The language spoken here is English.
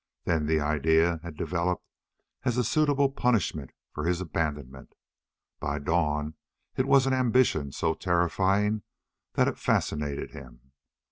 Then the idea had developed as a suitable punishment for his abandonment. By dawn it was an ambition so terrifying that it fascinated him.